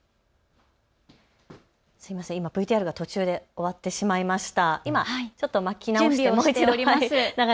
今ＶＴＲが途中で終わってしまいました。